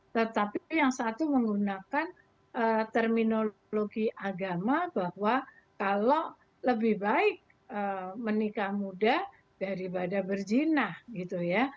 tetapi yang satu menggunakan terminologi agama bahwa kalau lebih baik menikah muda daripada berjina gitu ya